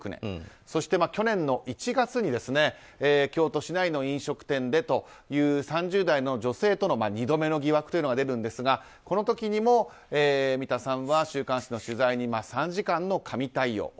そして去年１月に京都市内の飲食店で３０代の女性との２度目の疑惑というのが出るんですがこの時にも三田さんは週刊誌の取材に３時間の神対応。